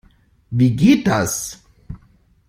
Wie geht das?